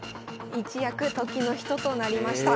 一躍時の人となりました。